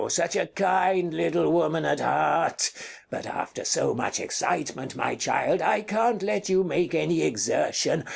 Such a kind little woman at heart! But after so much excitement, my child, I can't let you make any exertion.